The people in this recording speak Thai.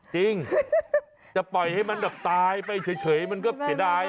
จริงจะปล่อยให้มันแบบตายไปเฉยมันก็เสียดาย